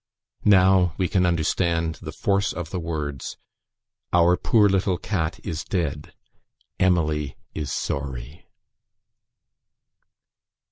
Now we can understand the force of the words, "Our poor little cat is dead. Emily is sorry."